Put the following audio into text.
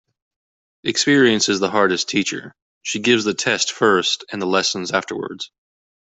Experience is the hardest teacher. She gives the test first and the lesson afterwards.